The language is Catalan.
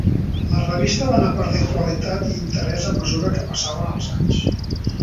La revista va anar perdent qualitat i interès a mesura que passaven els anys.